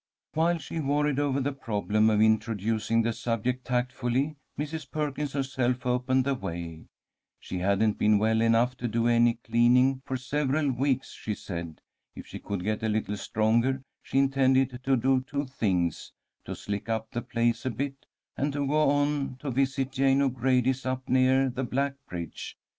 While she worried over the problem of introducing the subject tactfully, Mrs. Perkins herself opened the way. She hadn't been well enough to do any cleaning for several weeks, she said. If she could get a little stronger, she intended to do two things: to slick up the place a bit, and to go on a visit to Jane O'Grady's up near the black bridge.